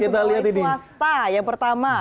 pegawai swasta yang pertama